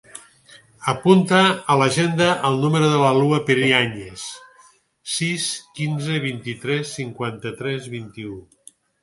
Apunta a l'agenda el número de la Lua Periañez: sis, quinze, vint-i-tres, cinquanta-tres, vint-i-u.